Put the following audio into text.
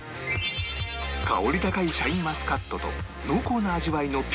香り高いシャインマスカットと濃厚な味わいのピオーネ